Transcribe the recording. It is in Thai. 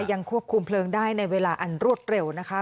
ยังควบคุมเพลิงได้ในเวลาอันรวดเร็วนะคะ